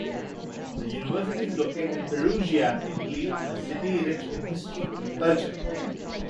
The university is located in Perugia, Italy, a city rich in history and culture.